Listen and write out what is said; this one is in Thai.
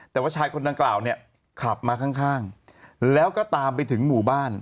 แต่ว่าชายคนดังกล่าวเนี่ยขับมาข้างแล้วก็ตามไปถึงหมู่บ้าน